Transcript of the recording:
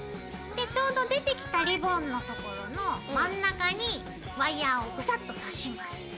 ちょうど出てきたリボンのところの真ん中にワイヤーをグサッと刺します。